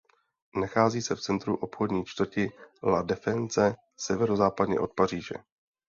Nachází se v centru obchodní čtvrti La Défense severozápadně od Paříže.